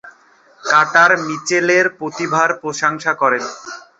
Carter মিচেলের প্রতিভার প্রশংসা করেন।